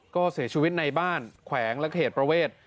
ก็เสียชีวิตในบ้านแขวงและเขตประเวท